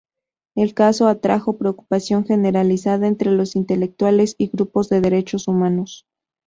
El caso atrajo preocupación generalizada entre los intelectuales y grupos de derechos humanos.